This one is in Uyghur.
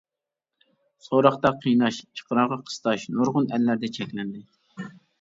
سوراقتا قىيناش، ئىقرارغا قىستاش نۇرغۇن ئەللەردە چەكلەندى.